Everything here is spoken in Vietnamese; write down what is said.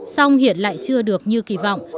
song hiện lại chưa được như kỳ vọng